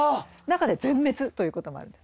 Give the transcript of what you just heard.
中で全滅ということもある。